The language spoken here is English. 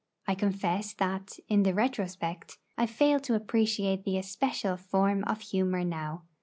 I confess that, in the retrospect, I fail to appreciate the especial form of humour now.